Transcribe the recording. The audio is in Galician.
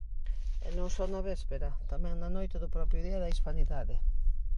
E non só na véspera, tamén na noite do propio Día da Hispanidade.